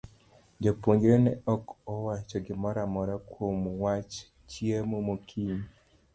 Jopuonjre ne ok owacho gimoro amora kuom wach chiemo mokinyi.